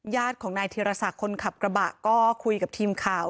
ญาติของนายธีรศักดิ์คนขับกระบะก็คุยกับทีมข่าว